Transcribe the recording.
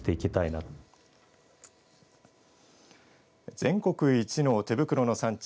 全国一の手袋の産地